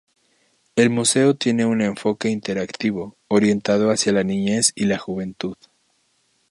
El museo tiene un enfoque interactivo, orientado hacia la niñez y la juventud.